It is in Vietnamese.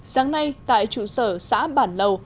sáng nay tại trụ sở xã bản lầu